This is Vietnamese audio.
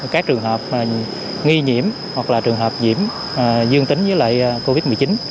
các trường hợp nghi nhiễm hoặc là trường hợp nhiễm dương tính với lại covid một mươi chín